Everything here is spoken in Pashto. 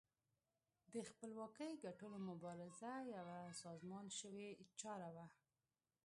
د خپلواکۍ ګټلو مبارزه یوه سازمان شوې چاره وه.